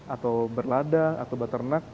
atau berlada atau baternak